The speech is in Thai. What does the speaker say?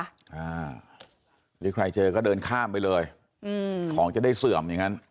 หรือใครเจอก็เดินข้ามไปเลยอืมของจะได้เสื่อมอย่างงั้น